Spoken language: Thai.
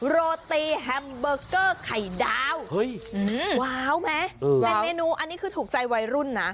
โรตีแฮมเบอร์เกอร์ไข่ดาวไหมเป็นเมนูอันนี้คือถูกใจวัยรุ่นนะ